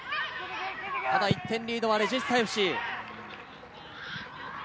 ただ１点リードはレジスタＦＣ。